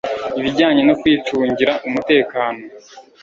ibijyanye no kwicungira umutekano,